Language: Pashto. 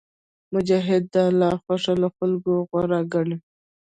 مجاهد د الله خوښه له خلکو غوره ګڼي.